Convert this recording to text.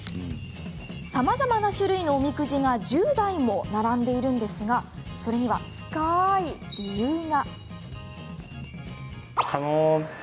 さまざまな種類のおみくじが１０台も並んでいるんですがそれには深い理由が。